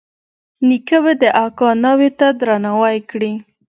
نيکه به د اکا ناوې ته ورنارې کړې.